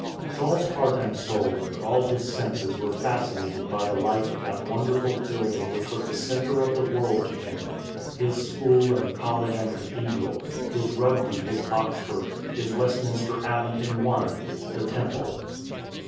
Saul's heart and soul and all his senses were fasci nated by the life of that wonderful building which was the centre of the world to him — his school and college and cathedral; his Rugby, his Oxford, his Westminster Abbey in one — the Temple.